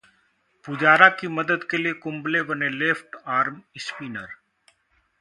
पुजारा की मदद के लिए कुंबले बने लेफ्ट आर्म स्पिनर